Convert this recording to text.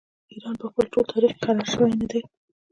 ایران په خپل ټول تاریخ کې کرار شوی نه دی.